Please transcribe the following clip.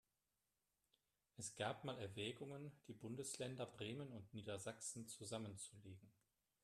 Es gab mal Erwägungen, die Bundesländer Bremen und Niedersachsen zusammenzulegen.